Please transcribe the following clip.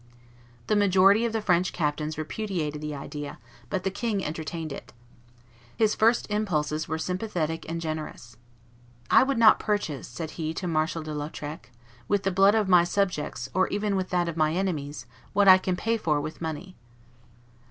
The majority of the French captains repudiated the idea, but the king entertained it. His first impulses were sympathetic and generous. "I would not purchase," said he to Marshal de Lautrec, "with the blood of my subjects, or even with that of my enemies, what I can pay for with money."